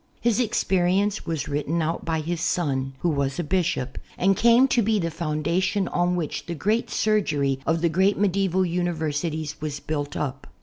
His experience was written out by his son, who was a bishop, and came to be the foundation on which the great surgery of the great medieval uni versities was built up.